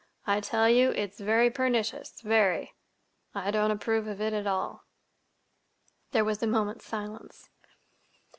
I tell you it's very pernicious—very! I don't approve of it at all." There was a moment's silence.